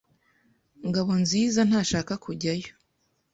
Ngabonziza ntashaka kujyayo.